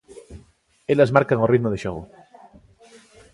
'Elas marcan o ritmo de xogo'.